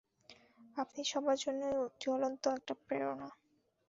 আপনি সবার জন্যই জ্বলন্ত একটা প্রেরণা!